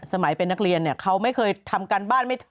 สมัยเป็นนักเรียนเนี่ยเขาไม่เคยทำการบ้าน